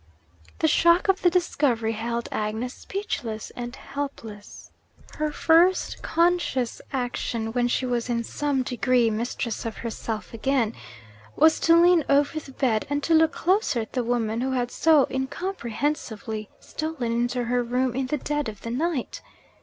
The shock of the discovery held Agnes speechless and helpless. Her first conscious action, when she was in some degree mistress of herself again, was to lean over the bed, and to look closer at the woman who had so incomprehensibly stolen into her room in the dead of night.